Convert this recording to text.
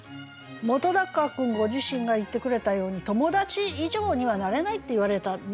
本君ご自身が言ってくれたように友達以上にはなれないって言われたみたいな気がしたって。